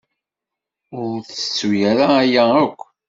Ur tettuɣ ara aya akk.